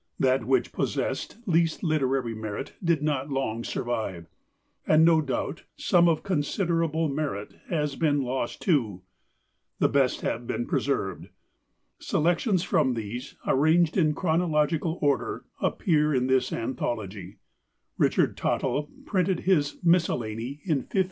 That which possessed least literary merit did not long survive, and, no doubt, some of considerable merit has been lost too. The best has been preserved. Selections from these, arranged in chronological order, appear in this anthology. Richard Tottel printed his "Miscellany" in 1557.